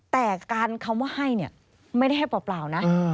แต่การคำว่าให้เนี่ยไม่ได้ให้เปล่านะ